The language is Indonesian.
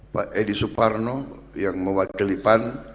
pak edi suparno yang mewakili pan